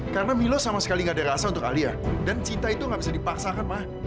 karena milo sama sekali gak ada rasa untuk alia dan cinta itu gak bisa dipaksakan ma